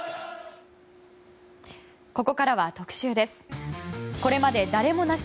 ここからは特集です。